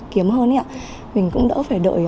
kiếm hơn mình cũng đỡ phải đợi